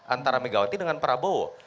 antara megawati dengan prabowo